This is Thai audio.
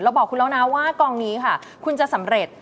บอกคุณแล้วนะว่ากองนี้ค่ะคุณจะสำเร็จ